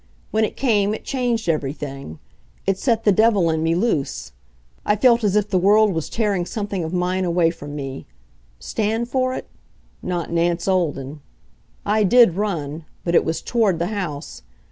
When it came, it changed everything. It set the devil in me loose. I felt as if the world was tearing something of mine away from me. Stand for it? Not Nance Olden. I did run but it was toward the house.